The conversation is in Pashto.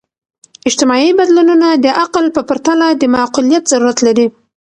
اجتماعي بدلونونه د عقل په پرتله د معقولیت ضرورت لري.